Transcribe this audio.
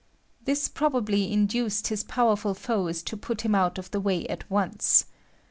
This probably induced his powerful foes to put him out of the way at once.